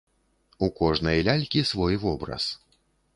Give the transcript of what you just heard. У кожнай лялькі свой вобраз.